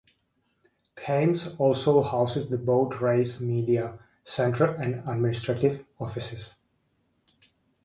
Thames also houses the Boat Race's media centre and administrative office.